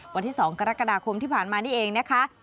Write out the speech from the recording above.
วันที่๒กรกฎาคมที่ผ่านมานี่เองนะคะ